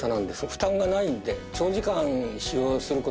負担がないんで。